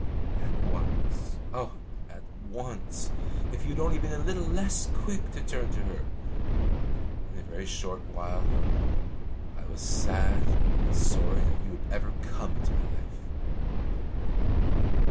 At once oh, at once! If you had only been a little less quick to turn to her! In a very short while I was sad and sorry that you had ever come into my life."